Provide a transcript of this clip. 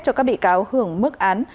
cho các bị cáo hưởng mức án